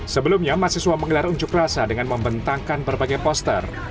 sebelumnya mahasiswa menggelar unjuk rasa dengan membentangkan berbagai poster